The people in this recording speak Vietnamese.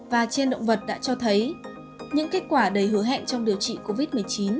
và trên động vật đã cho thấy những kết quả đầy hứa hẹn trong điều trị covid một mươi chín